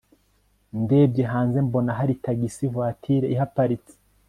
ndebye hanze mbona hari taxi voiture ihaparitse.